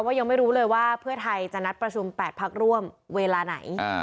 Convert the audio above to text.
ยังไม่รู้เลยว่าเพื่อไทยจะนัดประชุม๘พักร่วมเวลาไหน